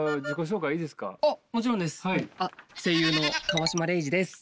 声優の川島零士です。